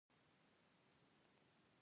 د بازار پرمختګ د ټیم کار ته اړتیا لري.